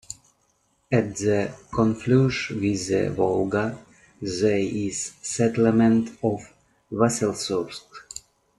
At the confluence with the Volga there is a settlement of Vasilsursk.